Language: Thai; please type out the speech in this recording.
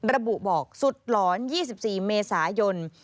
ระบุบอกสุดหลอน๒๔เวช